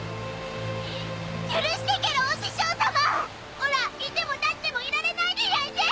おら居ても立ってもいられないでやんす！